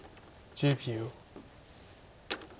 １０秒。